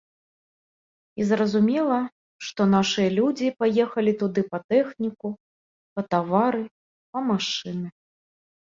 І зразумела, што нашыя людзі паехалі туды па тэхніку, па тавары, па машыны.